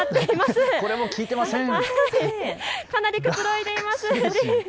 かなりくつろいでいます。